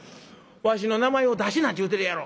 わしの名前を出すなっちゅうてるやろ」。